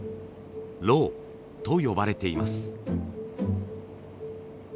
ロウと呼ばれています。